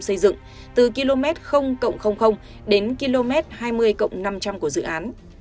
xây dựng từ km đến km hai mươi cộng năm trăm linh của dự án